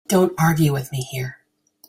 Don't argue with me here.